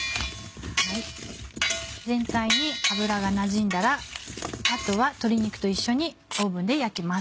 全体に油がなじんだらあとは鶏肉と一緒にオーブンで焼きます。